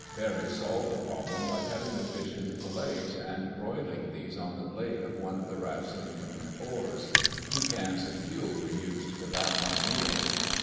Barry solved the problem by cutting the fish into fillets and broiling these on the blade of one of the raft's aluminum oars. Two cans of fuel were used for that one meal.